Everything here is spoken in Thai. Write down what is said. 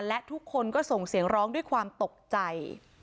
และทุกคนก็ส่งเสียงร้องด้วยความตกใจ